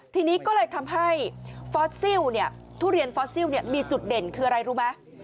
ทีนี้ก็เลยทำให้ฟอสซิลทุเรียนฟอสซิลมีจุดเด่นคืออะไรรู้ไหม